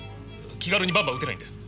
気軽にバンバン撃てないんだよ。